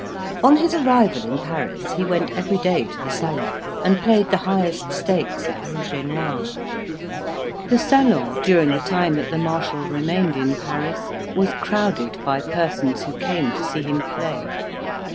On his arrival in Paris, he went every day to the salon, and played the highest stakes at rouge et noir. The salon, during the time that the marshal remained in Paris, was crowded by persons who came to see him play.